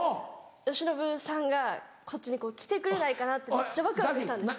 由伸さんがこっちに来てくれないかなってめっちゃワクワクしたんです。